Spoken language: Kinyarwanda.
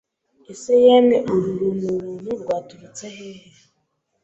Ese yemwe uru runturuntu rwaturutse hehe